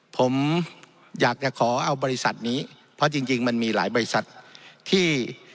ผมอยากจะขอเอาบริษัทนี้เพราะจริงมันมีหลายบริษัทที่